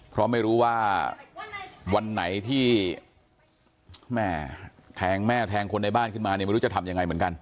เพราะไม่รู้ว่าวันไหนที่แม่แทงแม่แทงคนในบ้านขึ้นมาเนี่ยไม่รู้จะทำยังไงเหมือนกัน